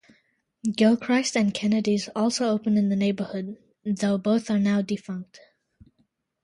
Gilchrist and Kennedy's also opened in the neighborhood, though both are now defunct.